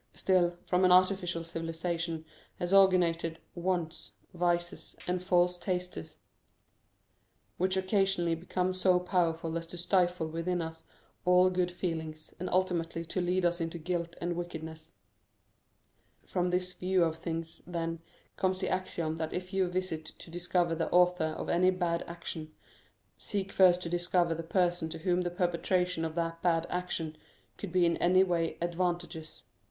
Still, from an artificial civilization have originated wants, vices, and false tastes, which occasionally become so powerful as to stifle within us all good feelings, and ultimately to lead us into guilt and wickedness. From this view of things, then, comes the axiom that if you visit to discover the author of any bad action, seek first to discover the person to whom the perpetration of that bad action could be in any way advantageous.